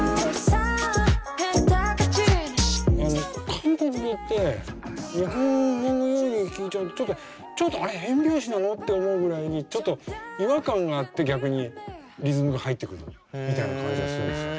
韓国語って日本語のように聴いちゃうとちょっとあれ変拍子なのって思うぐらいにちょっと違和感があって逆にリズムが入ってくるみたいな感じがするんですよ。